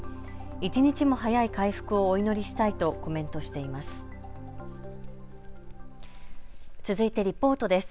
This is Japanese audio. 一日も早い回復をお祈りしたいとコメントしています。